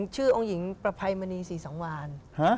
ชื่อองค์หญิงประภัยมณีศรีสังวาน